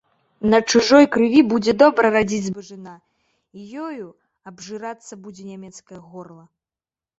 На чужой крыві будзе добра радзіць збажына, і ёю абжырацца будзе нямецкае горла.